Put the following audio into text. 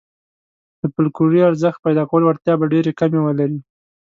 د فوکلوري ارزښت پيدا کولو وړتیا به ډېرې کمې ولري.